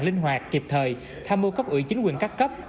linh hoạt kịp thời tham mưu cấp ủy chính quyền các cấp